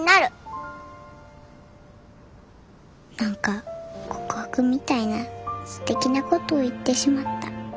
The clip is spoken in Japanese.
心の声何か告白みたいなすてきなことを言ってしまった。